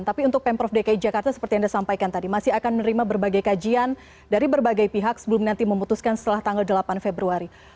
tapi untuk pemprov dki jakarta seperti yang anda sampaikan tadi masih akan menerima berbagai kajian dari berbagai pihak sebelum nanti memutuskan setelah tanggal delapan februari